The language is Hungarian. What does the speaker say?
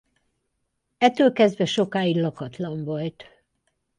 Ettől kezdve sokáig lakatlan volt.